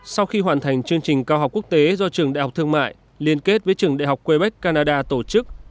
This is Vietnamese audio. sau khi hoàn thành chương trình cao học quốc tế do trường đại học thương mại liên kết với trường đại học quebec canada tổ chức